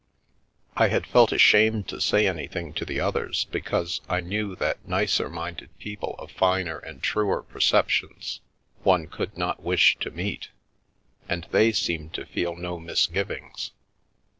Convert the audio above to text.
I had felt ashamed to say anything to the others, because I knew that nicer minded people of finer and truer per ceptions one could not wish to meet, and they seemed to feel no misgivings.